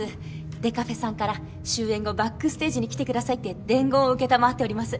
デカフェさんから終演後バックステージに来てくださいって伝言を承っております